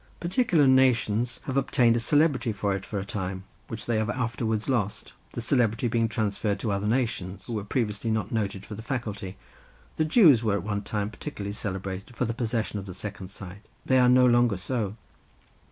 Particular nations have obtained a celebrity for it for a time, which they have afterwards lost, the celebrity being transferred to other nations, who were previously not noted for the faculty. The Jews were at one time particularly celebrated for the possession of the second sight; they are no longer so.